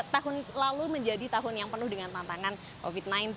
tahun lalu menjadi tahun yang penuh dengan tantangan covid sembilan belas